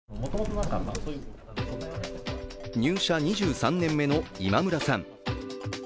入社２３年目の今村さん。